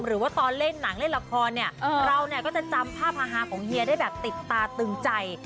หรือว่าตอนเล่นหนังเล่นละครเนี่ยเราเนี่ยก็จะจำภาพฮาของเฮียได้แบบติดตาตึงใจ